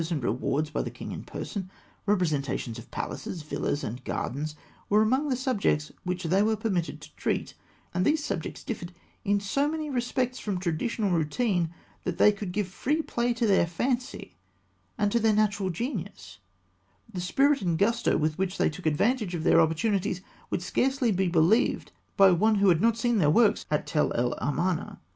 Military reviews, chariot driving, popular festivals, state receptions, the distribution of honours and rewards by the king in person, representations of palaces, villas, and gardens, were among the subjects which they were permitted to treat; and these subjects differed in so many respects from traditional routine that they could give free play to their fancy and to their natural genius. The spirit and gusto with which they took advantage of their opportunities would scarcely be believed by one who had not seen their works at Tell el Amarna.